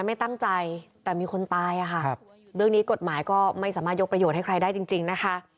ไม่ตั้งใจแต่มีคนตายอะค่ะเรื่องนี้กฎหมายก็ไม่สามารถยกประโยชน์ให้ใครได้จริงนะคะ